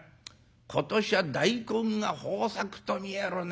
今年は大根が豊作と見えるね。